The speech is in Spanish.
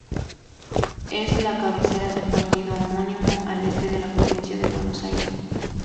Es la cabecera del partido homónimo, al este de la provincia de Buenos Aires.